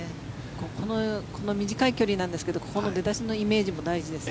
この短い距離なんですけどこの出だしのイメージも大事です。